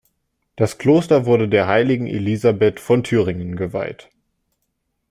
Das Kloster wurde der Heiligen Elisabeth von Thüringen geweiht.